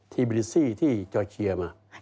ทีเบรินซี่ที่จอร์เชียมา